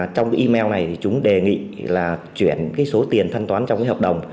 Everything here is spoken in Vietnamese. trong email này chúng đề nghị chuyển số tiền than toán trong hợp đồng